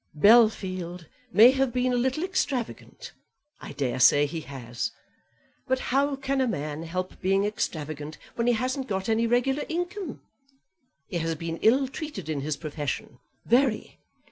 "Bellfield may have been a little extravagant. I dare say he has. But how can a man help being extravagant when he hasn't got any regular income? He has been ill treated in his profession; very.